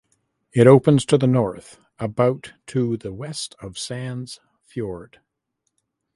It opens to the north about to the west of Sands Fjord.